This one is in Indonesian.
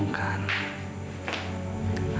anggap aja aku ngelakuin semua itu